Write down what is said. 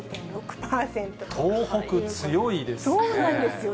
東北強いですね。